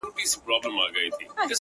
زړه مي دي خاوري سي ډبره دى زړگى نـه دی”